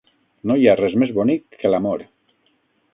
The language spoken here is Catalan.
No hi ha res més bonic que l'amor.